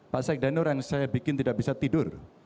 pak sekda nur yang saya bikin tidak bisa tidur